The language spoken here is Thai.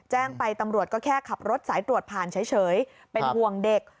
แจ้งไปตำรวจก็แค่ขับรถสายตรวจผ่านเฉยเป็นห่วงเด็ก